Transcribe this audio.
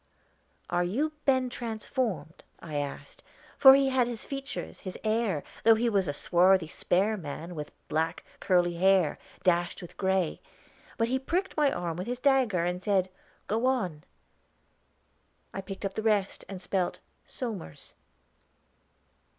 'Are you Ben transformed?' I asked, for he had his features, his air, though he was a swarthy, spare man, with black, curly hair, dashed with gray; but he pricked my arm with his dagger, and said, 'Go on.' I picked up the rest, and spelt 'Somers.'